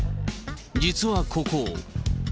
実はここ。